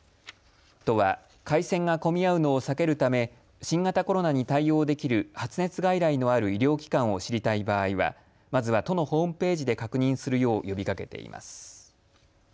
都は回線が混み合うのを避けるため新型コロナに対応できる発熱外来のある医療機関を知りたい場合はまず、都のホームページで確認するよう呼びかけています。